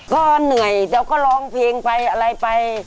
ก็เหนื่อยเดี๋ยวก็ร้องเพลงไปอะไรไป